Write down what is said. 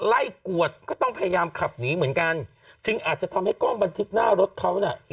กวดก็ต้องพยายามขับหนีเหมือนกันจึงอาจจะทำให้กล้องบันทึกหน้ารถเขาน่ะ